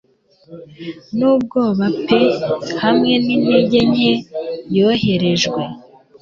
n'ubwoba pe hamwe n'intege nke yoherejwe